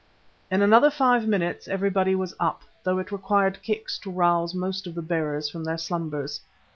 In another five minutes everybody was up, though it required kicks to rouse most of the bearers from their slumbers.